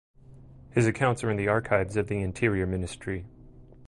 His accounts are in the archives of the Interior Ministry.